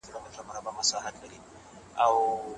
د ایران دربار د خلکو شکایتونو ته غوږ ونه نیوه.